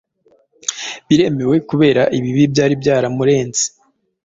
Biremewe kubera ibibi byari byaramurenze